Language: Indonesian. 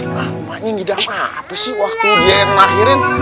namanya ngidam apa sih waktu dia yang ngelahirin